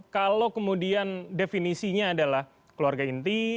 kalau kemudian definisinya adalah keluarga inti